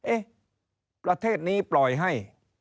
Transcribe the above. เอ๊ะประเทศนี้ปล่อยให้